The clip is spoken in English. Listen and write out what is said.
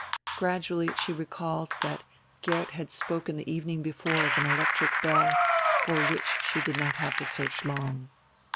Gradually she recalled that Geert had spoken the evening before of an electric bell, for which she did not have to search long.